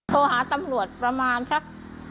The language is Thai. โทรหาตำรวจประมาณสัก